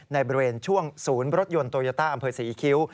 ในบริเวณช่วงศูนย์รถยนต์โตโยต้าอำเภอศรีคิ้ว